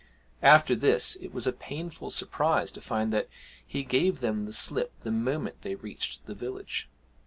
After this, it was a painful surprise to find that he gave them the slip the moment they reached the village.